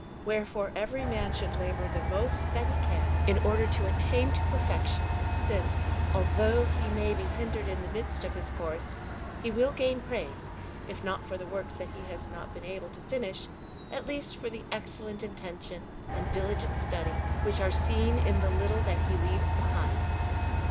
Wherefore every man should labour the most that he can in order to attain to perfection, since, although he may be hindered in the midst of his course, he will gain praise, if not for the works that he has not been able to finish, at least for the excellent intention and diligent study which are seen in the little that he leaves behind.